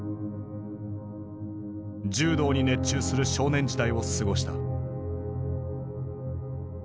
柔道に熱中する少年時代を過ごした。